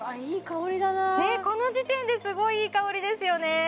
この時点ですごいいい香りですよね